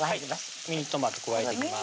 ミニトマト加えていきます